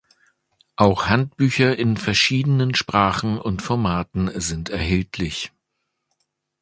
Auch Handbücher in verschiedenen Sprachen und Formaten sind erhältlich.